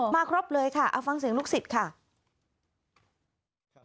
ครบเลยค่ะเอาฟังเสียงลูกศิษย์ค่ะ